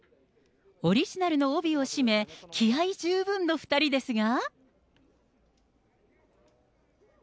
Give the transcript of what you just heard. オリジナルの帯を締め、気合十分の２人ですが。